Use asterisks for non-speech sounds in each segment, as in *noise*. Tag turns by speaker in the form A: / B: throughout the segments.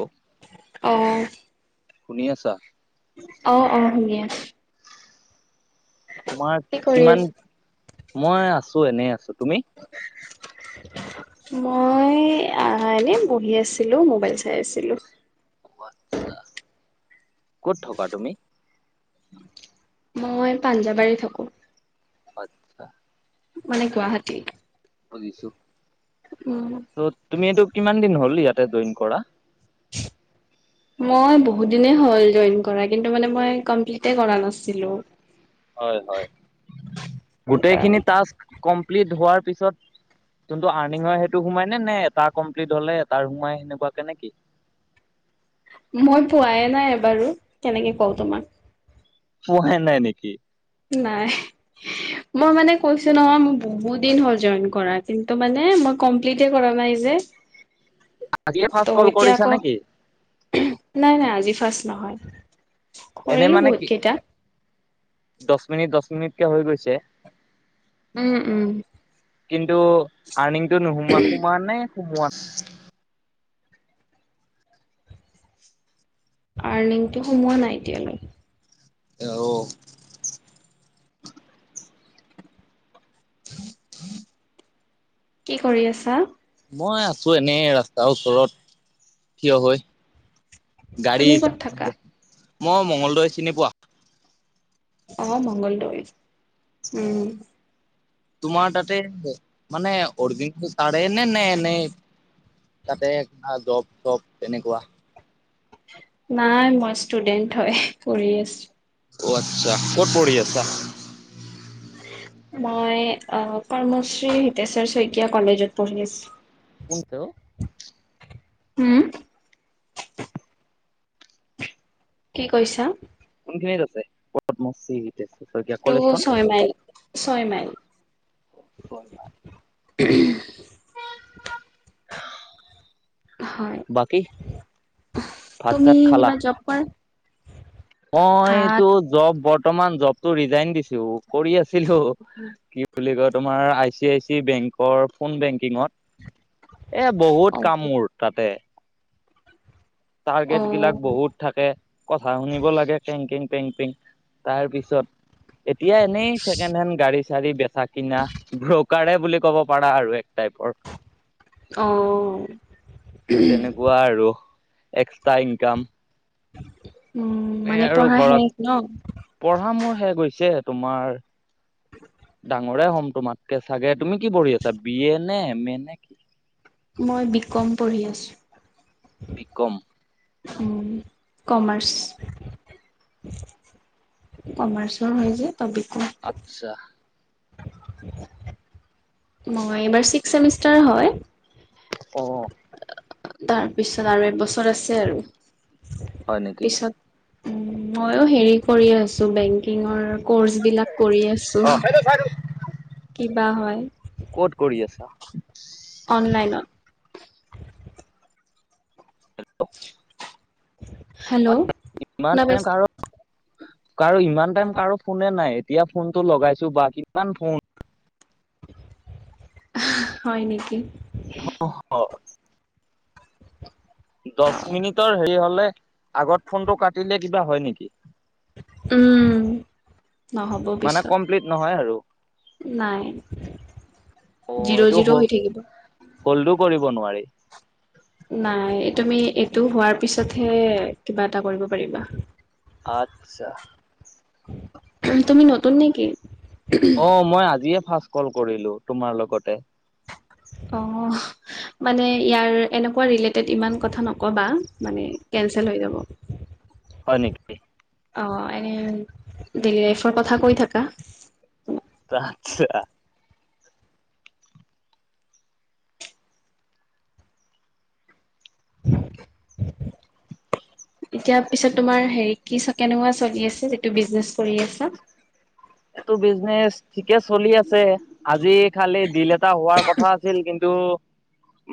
A: Hello
B: অ
A: শুনি আছা।
B: অ অ শুনি আছোঁ।
A: তোমাৰ
B: কি কৰি
A: কিমান
B: আছ
A: মই আছো এনেই আছো তুমি।
B: *unintelligible* মই আ এনে বহি আছিলো মোবাইল চাই আছিলো।
A: আচছা কত থকা তুমি।
B: মই পাঞ্জাৱাৰীত থাকো।
A: আত্ছা।
B: মানে গুৱাহাটী।
A: বুজিছো
B: উম,
A: তুমি এইটো কিমান দিন হ'ল ইয়াতে জইন কৰা।
B: মই বহুত দিনেই হ'ল জইন কৰা কিন্তু মানে মই কমপ্লিতে কৰা নাছিলো।
A: হয় হয় গোটেইখিনি
B: সেইকাৰণে,
A: টাস্ক কমপ্লিট হোৱাৰ পিছত। কিন্তটো আৰ্নিং হয় সেইটো সোমাই নে? নে এটা কমপ্লিট হলে এটাৰ সোমাই সেনেকুৱাকে নেকি?
B: মই পোৱানাই এবাৰু কেনেকে কওঁ তোমাক।
A: পোৱাই নাই নেকি?
B: নাই। মই মান কৈছো নহয় মোৰ বহুত দিন হল জইন কৰা কিন্তু মানে মই কপ্লিতে কৰা নাই যে।
A: আজিয়ে
B: ত
A: ফাৰ্ষ্ট কল
B: এতিয়া
A: কৰিছা
B: আক,
A: নেকি?
B: নাই নাই আজি ফাৰ্ষ্ট নহয়। কৰিলো বহুত কেইটা।
A: দছ মিনিট দচ মিনিটকে হৈ গৈছে।
B: উম উম।
A: কিন্তু আৰ্নিংতটো নোসোমোৱা সোমোৱা নে সোমোৱাত।
B: আৰ্নিংটো সোমোৱা নাই এতিয়ালৈ।
A: অহ।
B: কি কৰি আছা?
A: মই আছো এনেই ৰাস্তাৰ ওচৰত থিয় হৈ। গাড়ী
B: তুমি ক'ত থাকা
A: হিচাপ মই মঙলদৈ চিনি পোৱা?
B: অ মঙলদৈ।
A: অ তোমাৰ তাতে। মানে অৰবিন্দ চাৰে নে নে ন? তাতো জব চব তেনেকুৱা?
B: নাই মই ষ্টুডেন্ট হয় কৰি আছো।
A: অ আচ্ছা ক'ত পঢ়ি আছা?
B: মই আহ কৰ্মশ্ৰী হিতেশ্বৰ শইকীয়া কলেজত পঢ়ি আছো।
A: কোনটো?
B: হোম্? কি কৈছা?
A: কোনখিনিত আছে পদ মচি।
B: টো ছয় মাইল ছয় মাইল। *unintelligible* হয়
A: বাকী ভাত
B: তুমি কিবা জব কৰা?
A: মই
B: ভাত
A: বৰ্তমান জব টো ৰিজাইন দিছো, কৰি আছিলো, কি বুলি কয় তোমাৰ I C I C bank বেংকৰ ফোন বেংকিঙত এ
B: অ
A: বহুত কাম মোৰ তাতে।
B: অ
A: টাৰ্গেট বিলাক বহুত থাকে। কথা শুনিব লাগে কেংকেং পেংপেং। তাৰ পিছত এতিয়া এনেই ছেকেণ্ড হেণ্ড গাড়ী চাড়ী ব চাকিনা ব্ৰ'কাৰে বুলি ক'ব পাৰা আৰু এক। টাইপৰ
B: অহ।
A: তেনেকুৱা আৰু এক্সট্ৰা ইনকাম
B: উম
A: এ
B: মানে
A: আৰু
B: পঢ়া
A: ঘৰত
B: শেষ ন
A: পঢ়া মোৰ শেষ হৈছে তোমাৰ ডাঙৰে হ'ম তোমাতকে চাগে তুমি কি পঢ়ি আছা বি এ নে এম এ নে কি?
B: মই বি কম পঢ়ি আছোঁ।
A: বিকম।
B: উম্ কমাৰ্চ। কমাৰ্চৰ হয় যে। ত বি কম
A: আত্ছা
B: *unintelligible* মই এইবাৰ ছিক্স চেমিষ্টাৰ হয়।
A: অ
B: তাৰ পিছত আৰু এবছৰ আছে আৰু।
A: হয় নিকি?
B: উ মইয়ো হেৰি কৰি আছো বেংকিঙৰ কৰ্চ বিলাক কৰি আছো কিবা হয়
A: ক'ত *unintelligible*
B: অনলাইনত
A: হেল্ল'
B: হেল্ল'
A: ইমান
B: শুনা
A: টাইম
B: পাইছা
A: কাৰো কাৰো ইমান টাইম কাৰো ফোনে নাই এতিয়া ফোন টো লগাইছো বা কিমান ফোন
B: হয় নিকি
A: উম হ দছ মিনিটৰ হেৰি হলে আগত ফোনটো কাটিলে কিবা হয় নিকি
B: উম নহ'ব
A: মানে
B: পিছত
A: কমপ্লিট নহয় আৰু।
B: নাই
A: অ'
B: জিৰ'
A: এইটো
B: জিৰ' হৈ থাকিব
A: হল্ডো কৰিব নোৱাৰি
B: নাই এই তুমি এইটো হোৱাৰ পিছতহে কিবা এটা কৰিব পাৰিবা
A: আচ্ছা
B: উ তুমি নতুন নিকি
A: অ মই আজিয়ে ফাৰ্ষ্ট কল কৰিলো তোমাৰ লগতে
B: অ মানে ইয়াৰ এনেকুৱা ৰিলেটেড ইমান কথা নকবা মানে কেচেল হৈ যাব হয় *unintelligible*
A: হয় নিকি
B: অ এনে ডেইলী লাইফৰ কথা কৈ থাকা
A: আচছা
B: *unintelligible* এতিয়া পিছত তোমাৰ হেৰি কি কেনেকুৱা চলি আছে যিটো বিজনেছ কৰি আছা
A: এইটো বিজনেচ ঠিকে চলি আছে আজি খালি দিল এটা হোৱাৰ কথা আছিল কিন্তু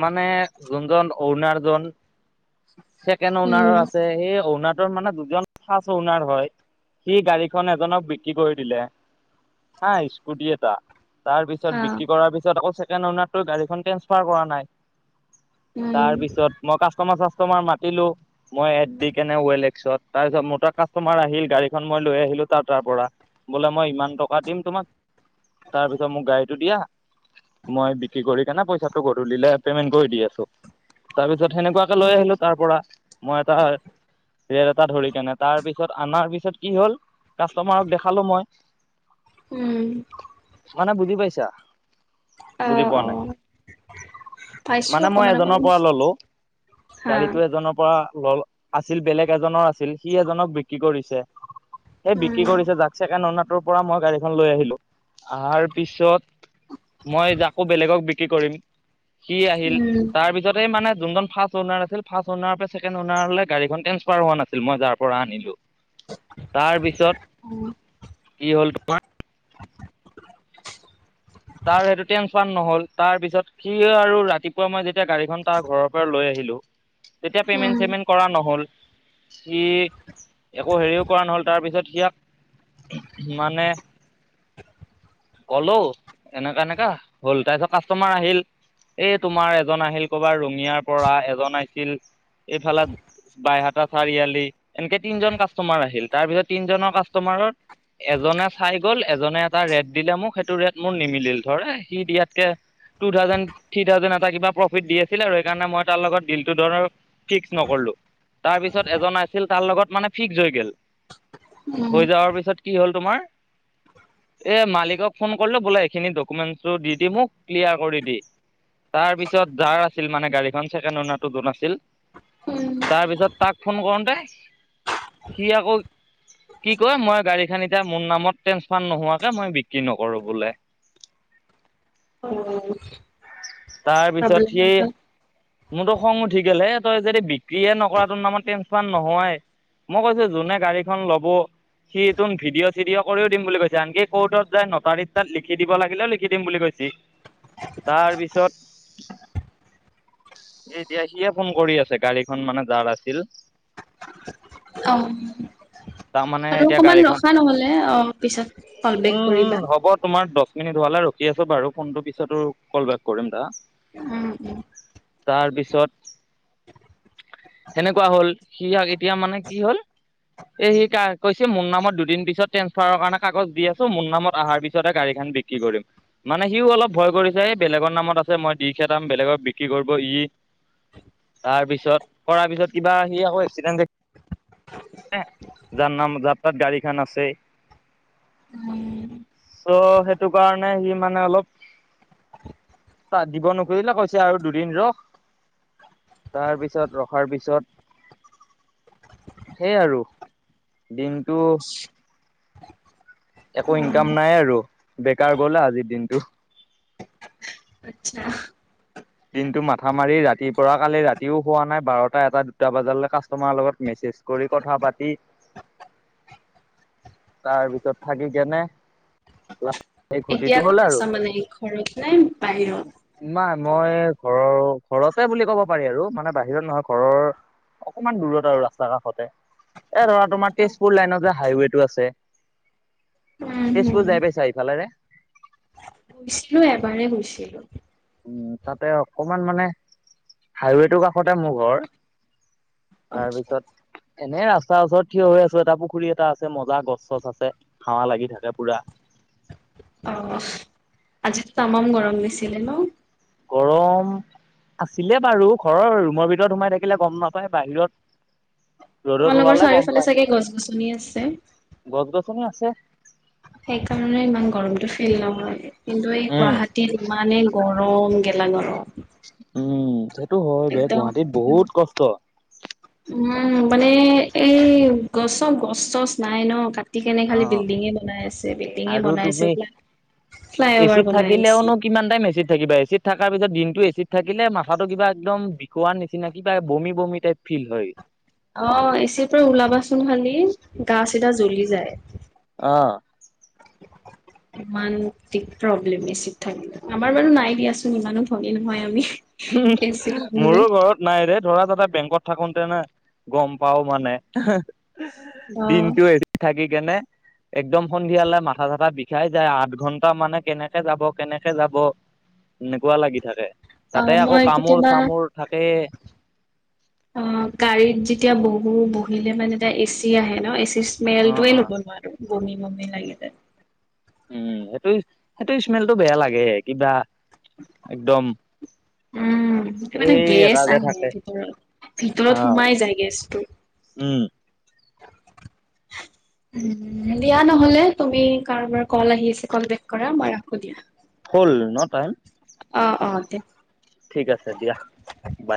A: মানে যোনজন ঔণাৰজন ছেকেণ্ড অনাৰ
B: উম
A: আছে সেই ঔনাৰ মানে দুজন ফনাৰ হয় সি গাড়ীখনন এজনক বিক্ৰী কৰি দিলে। হা স্কুটি এটা তাৰ পিছত
B: হা
A: বিক্ৰী কৰাৰ পিছত আকৌ চে। ছেকেণ্ড গাডী ট্ৰাৰ কৰা নাই
B: উম
A: তাৰপিছত মই। কাষ্টৰ চাস্তমাৰ মাতিলো মই আপ দি কেনে ঔ এল এক্সত তাৰপাছত মোৰ তাত কাষ্টমাৰ আহিল গাড়ীখন মই। লৈ আহিলো তাৰ তাৰ পৰা। বোলে মই ইমান টকা দিম তোমাক, তাৰপিছত মোক গাড়ীটো দিয়া। মই বিক্ৰী কৰি কেনে পইচাটো গধূলিলে পেমেন্ট কৰি দি আছো তাৰপিছত। পিছত সেনেকুৱাকে লৈ আহিলো তাৰ পৰা মই এটা। ৰেট এটা ধৰি কেনে তাৰ পিছত অনাৰ পিছত কি হল কাষ্টমাৰক দেখালো মই।
B: উম।
A: মানে বুজি পাইছা। বুজি
B: আহ
A: পোৱা নাই
B: আহ।
A: মানে মই এজনৰ পৰা ললো,
B: হা
A: গাড়ীটো এজনৰ পৰা। লল আছিল বেলেগ এজনৰ আছিল সি এজনক বিক্ৰী কৰিছে। এই
B: উম
A: বিক্ৰী কৰিছে যাক ছেকেণ্ড। অনাৰটোৰ পৰা মই গাড়ীখন লৈ আহিলো অহাৰ পিছত। মই যাকো বেলেগক বিক্ৰী কৰিম সি আহিল
B: উম
A: তাৰ পিছতে মানে। যোনজন ফাৰ্ষ্ট ওৱনেৰ আছিল, ফাৰ্ষ্ট ওৱনাৰ পৰা ছেকেণ্ড ওৱনাৰলৈ গাড়ীখন ট্ৰেঞ্চফাৰ হোৱা নাছিল মই যাৰ পৰা আনিলো। তাৰপিছত।
B: উম
A: হল তোমাৰ।
B: *inaudible*
A: তাৰ সেইটো ট্ৰেঞ্চফাৰ নহল, তাৰ পিছত সি আৰু ৰাতিপুৱা মই যেতিয়া গাড়ীখন তাৰ ঘৰৰ পৰা লৈ আহিম। তেতিয়া পেমেণ্ট চেমেণ্ট কৰা নহল সি। একো হেৰিও কৰা নহ'ল, তাৰপিছত সিয়াক মানে। কলো এনেকা এনেকা হ'ল তাৰপিছত কাষ্টমাৰ আহিল। এই তোমাৰ এজন আহিল কবা ৰৰুঙিয়াৰ পৰা, এজন আছিল এইফালে। বাইহাতটা চাৰিআলি এনেকে তিনজন কাষ্টমাৰ আহিল তাৰ পিছত তিনজনৰ কাষ্টমাৰৰ। এজনে চাই গ'ল এজনে এটা ৰেট দিলে মোক সেইটো ৰেট। মোৰ নিমিল ধৰে সি দিয়াতকে। টু থাউজেড থ থাউজেণ্ড এটা, কিবা প্ৰফিট দিছিল আৰু সেইকাৰণে মই তাৰ লগত দিলটো ধৰ ফিক্স নকৰো। তাৰ পিছত এজন আছিল তাৰ লগত মানে ফিক্স হৈ গল।
B: উম
A: হৈ যাৱাৰ পিছত কি হ'ল তোমাৰ এ মালিকক ফোন। কলে বোলে এইখিনি ডকুমেন্টো দি দি মোক ক্লিয়াৰ কৰি দি। তাৰ পিছত যাৰ আছিল মানে গাড়ীখন ছেকেণ্ড উনাৰটো দুোন আছিল।
B: উম
A: তাৰপিছত তাক ফোন কৰোতে সি আকৌ। কি কয়, মই গাড়ীখন এতিয়া মোৰ নামত ট্ৰেন্সফাৰ নোহোৱাকে মই বিক্ৰী ন। কৰো বোলে।
B: অ।
A: তাৰপিছত,
B: প্ৰব্লেম
A: সি
B: হৈ গ'ল
A: মোৰতো খং উঠি গলহে। যদি বিক্ৰে নকৰাটো নাম ট্ৰেন্ঞ্চফাৰ নোহাই মই কৈছো যোনে গাড়ীখন লব। সি, তোন ভিডিঅ চিডিঅ' কৰিও দিম বুলি কৈছে আনকি কৰ্টত যাই ন। তাৰিখ তাত লিখি দিব লাগিলে লিখি দিম বুলি কৈছে। তাৰ পিছত। এ, এতিয়া সিয়ে ফোন কৰি আছে গাড়ীখন মানে যাৰ আছিল।
B: অঁ।
A: তাৰমানানে এতিয়া গাড়ীখন,
B: অ পিছত কল বেক
A: উম উম
B: কৰিবা
A: হ'ব তোমাৰ দহ। নি ধুৱালে ৰখি আছো বাৰু ফোনটো পিছতো কল বেক কৰিম দা।
B: উম উম
A: তাৰপিছত। সেনেকুৱা হ'ল সি এতিয়া মানে কি হ'ল। এ, সি কৈছে মোৰ নামত দুদিন পিছত ট্ৰেন্সফাৰৰ কাৰণে কাগজ দি আছো মোৰ নামত অহাৰ পিছত হে গাড়ীখন বিক্ৰী। কি কৰিম মানে সিও অলপ ভয় কৰিছে এই বেলেগৰ নামত আছে মই দি খেদাম বেলেগক বিক্ৰী কৰব ই। তাৰ পিছত কৰাৰ পিছত কিবা সি আকৌ এক্সিডেণ্ট যাৰ নাম যাত্ৰাত গাড়ীখন আছে।
B: উম
A: চ' সেইটো কাৰণে সি মানে অলপ তাত দিব নকৰিলে কৈছে আৰু দুদিন ৰখ তাৰ পিছত ৰখাৰ পিছত
B: *inaudible*
A: সেই আৰু দিনটো একো
B: উম,
A: ইনকাম নাই আৰু বেকাৰ গল আজিৰ দিনটো।
B: আচ্ছা।
A: দিনটো মাথা মাৰি ৰাতিৰ পৰা কালি ৰাতিও শুৱা নাই বাৰটা এটা দুটা বাজালৈ কাষ্টমাৰৰ লগত মে- চেজ কৰি কথা পাতি
B: *inaudible*
A: তাৰপিছত থাকি কেনে এই
B: এতিয়া
A: ঘটিটো
B: ক'ত আছা মানে ঘৰত নাই?
A: না মই ঘৰৰ ঘৰছে বুলি ক'ব পাৰি আৰু মানে বাহিৰত নহয় ঘৰৰ অকমান দূৰত আৰু ৰাস্তা কাষতে। এ'ধৰা তোমাৰ
B: উম
A: তেজপুৰ লাইনত যে হাইৱেটো আছে।
B: হম
A: তেজপুৰ যাই পাইছা ইফালেৰে?
B: গৈছিলো এবাৰেই গৈছিলো।
A: উম, তাতে অকমান মানে হাইৱেটোৰ কাষতে মোৰ ঘৰ। তাৰপিছত এনেই ৰাস্তাৰ ওচৰত থিয় হৈ আছো। এটা পুখুৰী এটা আছে মজা গছ- চছ আছে হাৱা লাগি থাকে পুৰা।
B: অহ, আজিটো তামাম গৰম দিছিলে ন'?
A: গৰম আছিলে বাৰু ঘৰৰ ৰুমৰ ভিতৰত সোমাই থাকিলে গম নাপায় বাহিৰত- ৰ'দত
B: তোমালোকৰ
A: ওলালে গম
B: চাৰিওফালে
A: পায়
B: চাগে গছ গছনি আছে
A: গছ -গছনি আছে।
B: সেইকাৰণে ইমান গৰমটো ফিল নহয় কিন্তু, এই
A: উম
B: গুৱাহাটীত ইমানেই গৰ ৰম গেলা গৰম।
A: উম, সেইটো হয় বে
B: একদম
A: গুৱাহাটীত বহুত কষ্ট।
B: উম, মানে এই গছক গছ- চছ নাই ন' কা কিনে
A: অ
B: খালি বিল্ডিঙে বনাই আছে -বিল্ডিঙে
A: আৰু
B: বনাই আছে
A: তুমি
B: এইবিলাক
A: এচিত থাকিলেওনো কিমান টাইম এচিত থাকিবা এচিত থাকাৰ পিছত দিনটো এচিত থাকিলে মাথাটো কিবা একদম বিষোৱাৰ নিচিনা কিবা বমি- বমি টাইপ ফিল হয়।
B: অহ, এচিৰ পৰা ওলাবাচোন খালি, গা চিধা জ্বলি যায়।
A: আহ
B: *inaudible* ইমান অতিৰিক্ত প্ৰব্লেম এচিত থাকিলে। আমাৰ বাৰু নাই দিয়াচোন ইমানো ধনী নহয় আমি। এচিড আমি যে
A: মোৰো ঘৰত নাই ৰে ধৰা তাতে বেংকত থাকোতে এনে গম পাও মানে
B: অ
A: দিনটো এচিত থাকি কেনে। একদম সন্ধিয়ালৈ মাথা চাথা বিষাই যায়, আঠ -ঘন্টা মানে কেনেকে যাব -কেনেকে যাব। এনেকুৱা লাগি থাকে। তাতে
B: অহ,
A: আকৌ
B: মই
A: কামোৰ
B: কেতিয়াবা
A: চামোৰ থাকে
B: অহ গাড়ীত এতিয়া বহু বহিলে মানে এচি আহে ন'এচিৰ স্মেল
A: অ
B: টোয়ে
A: অ
B: ল'ব নোৱাৰো। বমি -বমি লাগি যায়।
A: উম, সেইটো -সেইটো স্মেলটো বেয়া লাগে কিবা একদম
B: উম, সেইটো মানে
A: এই এটা
B: গেছ
A: যে
B: আহে
A: থাকে
B: ভিতৰত- ভিতৰত
A: অ
B: সোমাই যায় গেছটো।
A: উম
B: *inaudible* দিয়া নহলে তুমি কাৰোবাৰ কল আহি আছে কলবেক কৰা। মই ৰাখো দিয়া।
A: হ'ল ন টাইম?
B: অ, অ, দে।
A: ঠিক আছে দিয়া বাই